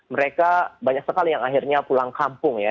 mereka banyak sekali yang akhirnya pulang kampung ya